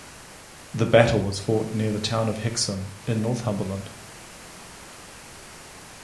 The battle was fought near the town of Hexham in Northumberland.